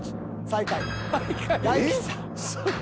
最下位。